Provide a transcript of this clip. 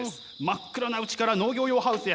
真っ暗なうちから農業用ハウスへ入ります。